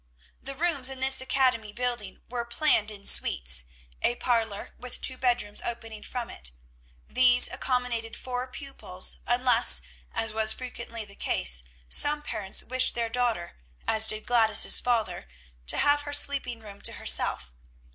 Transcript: The rooms in this academy building were planned in suites, a parlor, with two bedrooms opening from it. These accommodated four pupils, unless, as was frequently the case, some parents wished their daughter as did Gladys's father to have her sleeping room to herself.